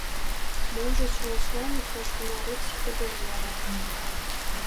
Можыч, лачлан иктаж-кунар ок сите гын веле.